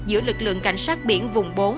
giữa lực lượng cảnh sát biển vùng bốn